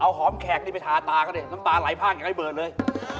เอาหอมแขกนี่ไปทาตาก็ได้น้ำตาไหลภาคอย่างไอ้เบิร์นเลย